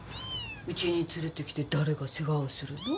うちに連れてきて誰が世話をするの？